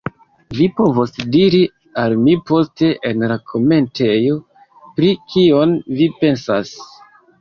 Vi povos diri al mi poste, en la komentejo, pri kion vi pensas.